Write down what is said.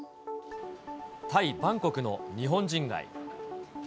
タイ・バンコクの日本人街。